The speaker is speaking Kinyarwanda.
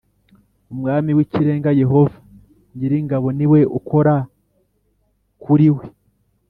Umwami w Ikirenga Yehova nyir ingabo ni we ukora kuriwe